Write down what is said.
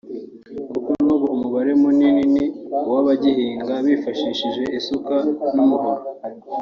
kuko n’ubu umubare munini ni uw’abagihinga bifashishije isuka n’umuhoro